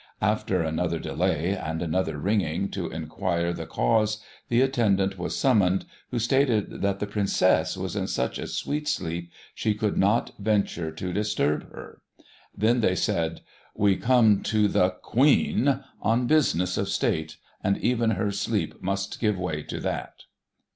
After another delay, and another ringing to enquire the cause, the attendant was summoned, who stated that the Princess was in such a sweet sleep, she could not venture to disturb her. Then they said, 'We come to the Queen on business of State, and even her sleep must give way to that.'